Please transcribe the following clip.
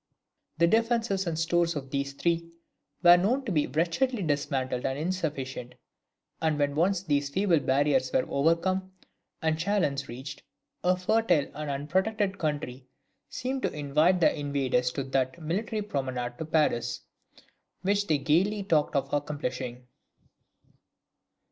The defences and stores of these three were known to be wretchedly dismantled and insufficient; and when once these feeble barriers were overcome, and Chalons reached, a fertile and unprotected country seemed to invite the invaders to that "military promenade to Paris," which they gaily talked of accomplishing.